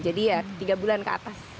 ya tiga bulan ke atas